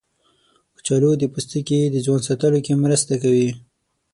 کچالو د پوستکي د ځوان ساتلو کې مرسته کوي.